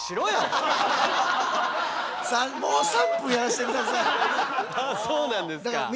あそうなんですか。